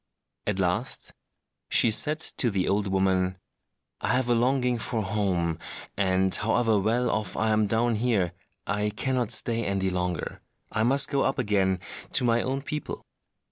At last she said to the old woman, "I have a longing for home; and however well off I am down here, I cannot stay any longer; I must go up again to my own people."